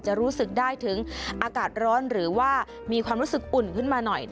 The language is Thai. จะรู้สึกได้ถึงอากาศร้อนหรือว่ามีความรู้สึกอุ่นขึ้นมาหน่อย